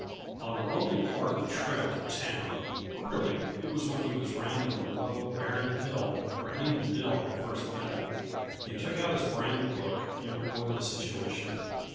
On a lonely part of the trail to town queerly, it was when he was rounding the low, barren hill where he and Dill had first met he took out his brand book and went over the situation.